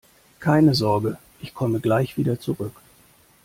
Keine Sorge, ich komme gleich wieder zurück!